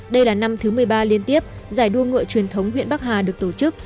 đây là năm thứ một mươi ba liên tiếp giải đua ngựa truyền thống huyện bắc hà được tổ chức